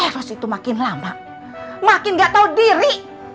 eros itu makin lama makin gak tahu diri